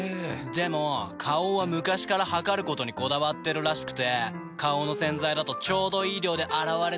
でも花王は昔から量ることにこだわってるらしくて花王の洗剤だとちょうどいい量で洗われてるなって。